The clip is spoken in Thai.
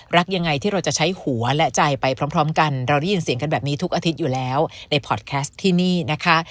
รักยังไงที่เราจะใช้หัวและใจไปพร้อมกันเราได้ยินเสียงกันแบบนี้ทุกอาทิตย์อยู่แล้วในพอร์ตแคสต์ที่นี่นะคะ